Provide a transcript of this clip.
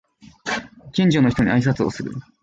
近所の人に挨拶をする